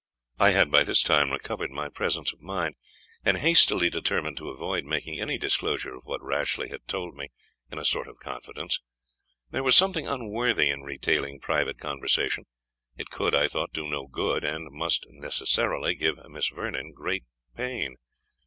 I had by this time recovered my presence of mind, and hastily determined to avoid making any disclosure of what Rashleigh had told me in a sort of confidence. There was something unworthy in retailing private conversation; it could, I thought, do no good, and must necessarily give Miss Vernon great pain.